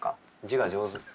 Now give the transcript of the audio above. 字が上手。